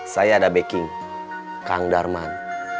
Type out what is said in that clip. saya ada backing kang darman